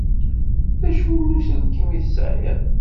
D acu n uselkim i tesεiḍ?